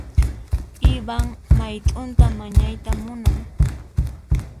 Ivan mayt'unta mañayta munan.